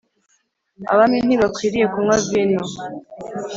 abami ntibakwiriye kunywa vino,